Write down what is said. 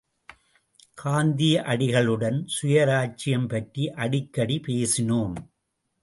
காந்தியடிகளுடன் சுயராச்சியம் பற்றி அடிக்கடி பேசினோம்.